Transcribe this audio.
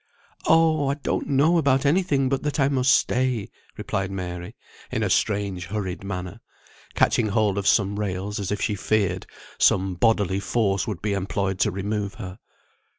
"Oh! I don't know about any thing but that I must stay," replied Mary, in a strange hurried manner, catching hold of some rails as if she feared some bodily force would be employed to remove her.